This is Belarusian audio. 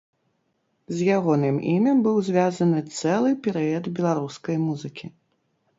З ягоным імем быў звязаны цэлы перыяд беларускай музыкі.